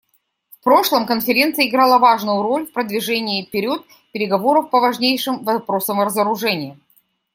В прошлом Конференция играла важную роль в продвижении вперед переговоров по важнейшим вопросам разоружения.